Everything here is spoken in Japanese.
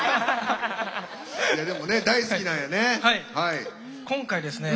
でもね、大好きなんやね。